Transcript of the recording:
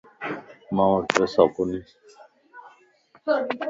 مان وٽ پيساڪونين